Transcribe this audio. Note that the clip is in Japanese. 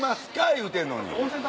言うてんのに。